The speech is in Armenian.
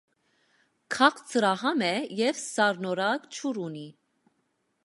Քաղցրահամ է և սառնորակ ջուր ունի։